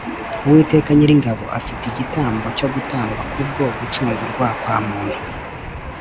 Uwiteka Nyiringabo afite igitambo cyo gutamba kubwo gucungurwa kwa muntu